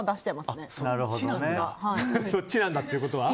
あ、そっちなんだ。